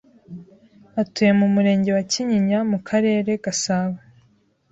atuye mu Murenge wa Kinyinya mu Karere Gasabo,